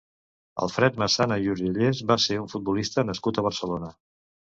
Alfred Massana i Urgellés va ser un futbolista nascut a Barcelona.